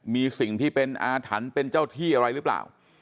มีสิ่งที่เป็นอาถรรพ์เป็นเจ้าที่อะไรหรือเปล่า